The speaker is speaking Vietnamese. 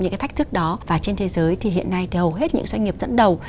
những cái thách thức đó và trên thế giới thì hiện nay thì hầu hết những doanh nghiệp dẫn đầu